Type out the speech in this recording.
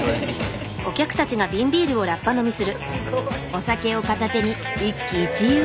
お酒を片手に一喜一憂。